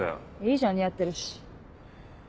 いいじゃん似合ってるし。